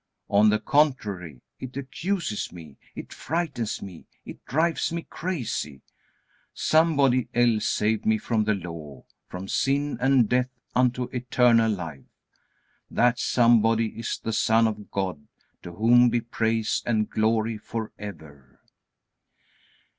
On the contrary, it accuses me, it frightens me, it drives me crazy. Somebody else saved me from the Law, from sin and death unto eternal life. That Somebody is the Son of God, to whom be praise and glory forever.